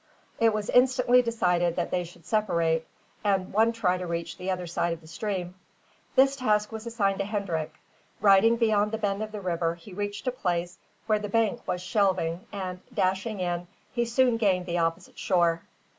It was instantly decided that they should separate, and one try to reach the other side of the stream. This task was assigned to Hendrik. Riding beyond the bend of the river, he reached a place where the bank was shelving and, dashing in, he soon gained the opposite shore.